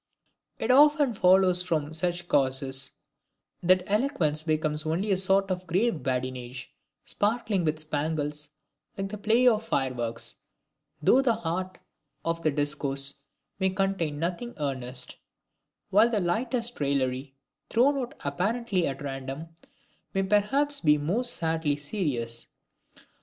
It often follows from such causes, that eloquence becomes only a sort of grave badinage, sparkling with spangles like the play of fireworks, though the heart of the discourse may contain nothing earnest; while the lightest raillery, thrown out apparently at random, may perhaps be most sadly serious.